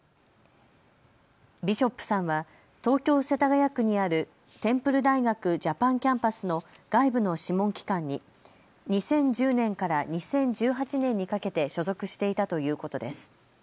ビショップさんは東京世田谷区にあるテンプル大学ジャパンキャンパスの外部の諮問機関に２０１０年から２０１８年にかけて所属していたということです。